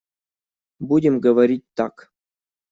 Будем говорить так.